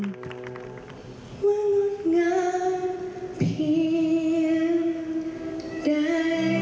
โปรดติดตามตอนต่อไป